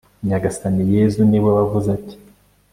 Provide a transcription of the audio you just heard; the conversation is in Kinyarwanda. nyagasani yezu ni we wavuze ati